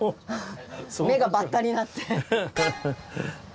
目がバッタになって。